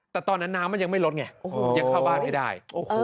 แต่ตอนนั้นน้ำมันยังไม่ลดไงยังเข้าบ้านไม่ได้